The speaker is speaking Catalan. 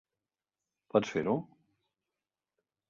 Pots fer-ho?